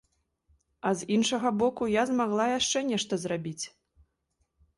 А з іншага боку, я змагла яшчэ нешта зрабіць.